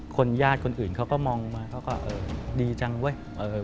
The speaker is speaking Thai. ญาติคนอื่นเขาก็มองมาเขาก็เออดีจังเว้ย